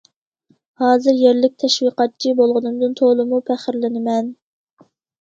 ھازىر يەرلىك تەشۋىقاتچى بولغىنىمدىن تولىمۇ پەخىرلىنىمەن.